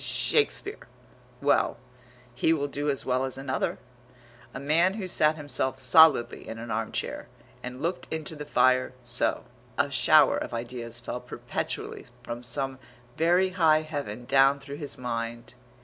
Shakespeare.... Well, he will do as well as another. A man who sat himself solidly in an arm chair, and looked into the fire, so A shower of ideas fell perpetually from some very high Heaven down through his mind.